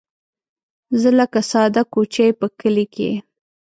زه لکه ساده کوچۍ په کلي کې